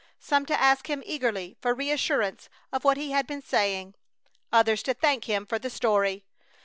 Some to ask him eagerly for reassurance of what he had been saying; others to thank him for the story.